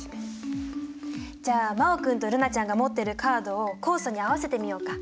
じゃあ真旺君と瑠菜ちゃんが持ってるカードを酵素に合わせてみようか。